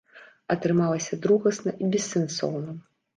Атрымалася другасна і бессэнсоўна.